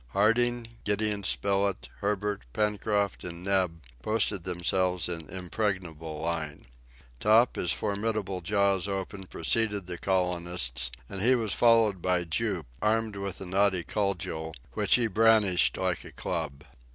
Harding, Gideon Spilett, Herbert, Pencroft and Neb posted themselves in impregnable line. Top, his formidable jaws open, preceded the colonists, and he was followed by Jup, armed with a knotty cudgel, which he brandished like a club.